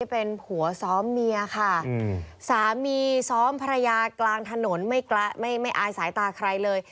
เป็นผัวซ้อมเมียค่ะสามีซ้อมภรรยากลางถนนไม่อายสายตาใครเลย